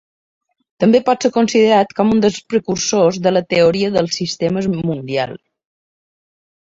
També pot ser considerat com un dels precursors de la Teoria dels Sistemes Mundial.